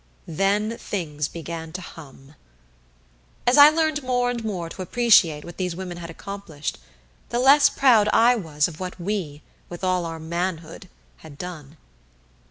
Then things began to hum. As I learned more and more to appreciate what these women had accomplished, the less proud I was of what we, with all our manhood, had done.